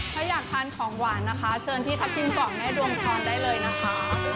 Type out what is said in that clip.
ถ้าอยากทานของหวานนะคะเชิญที่ทัพทิมเกาะแม่ดวงพรได้เลยนะคะ